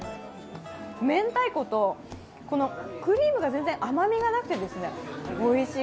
明太子とクリームが全然甘みがなくてですねおいしい。